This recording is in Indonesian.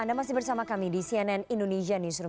anda masih bersama kami di cnn indonesia newsroom